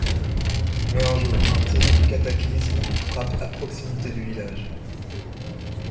Mais un jour un terrible cataclysme frappe à proximité du village.